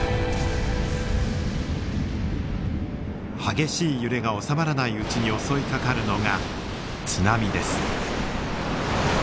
激しい揺れが収まらないうちに襲いかかるのが津波です。